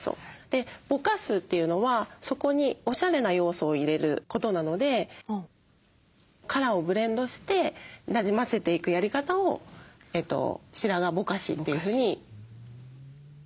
でぼかすというのはそこにおしゃれな要素を入れることなのでカラーをブレンドしてなじませていくやり方を白髪ぼかしというふうにご提案させて頂いてます。